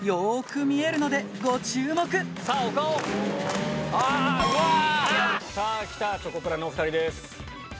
ピンポン来たチョコプラのお２人です。